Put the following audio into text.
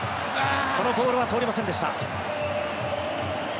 このボールは通りませんでした。